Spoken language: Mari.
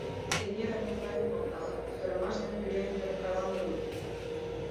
Тений равноправий малдалыт — ӱдырамаш ден пӧръеҥ тӧр праван улыт.